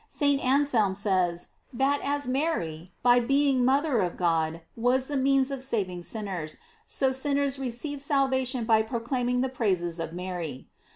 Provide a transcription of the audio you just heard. * St. Anselm says, that as Mary, by being mother of God, was the means of saving sinners, so sinners receive salvation by proclaiming the praises of Mary.